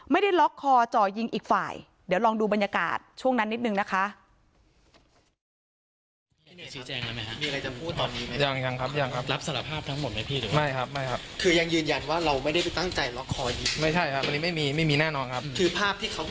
ล็อกคอจ่อยิงอีกฝ่ายเดี๋ยวลองดูบรรยากาศช่วงนั้นนิดนึงนะคะ